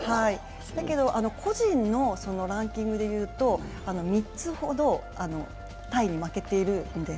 個人のランキングでいうと３つほどタイに負けているんです。